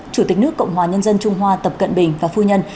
chủ tịch nước cộng hòa nhân dân trung hoa tập cận bình và phu nhân